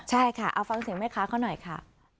ใช่ค่ะเอาฟังเสียงแม่ค้าเขาหน่อยค่ะ